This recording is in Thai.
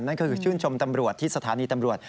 นั่นก็คือชื่นชมตำรวจที่สถานีตำรวจ